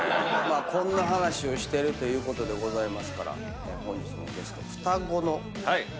こんな話をしてるということでございますから本日のゲスト双子のお二人。